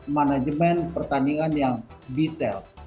manajemen pertandingan yang detail